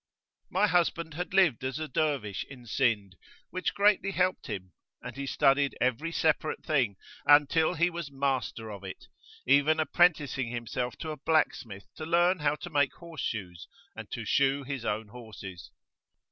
My husband had lived as a Dervish in Sind, which greatly helped him; and he studied every separate thing until he was master of it, even apprenticing himself to a blacksmith to learn how to make horse shoes and to shoe his own horses.